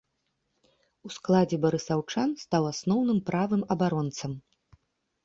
У складзе барысаўчан стаў асноўным правым абаронцам.